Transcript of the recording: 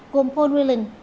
gồm paul reilland